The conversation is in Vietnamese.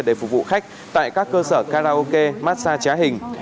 để phục vụ khách tại các cơ sở karaoke massage trá hình